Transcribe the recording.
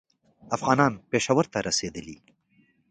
افغانان پېښور ته رسېدلي.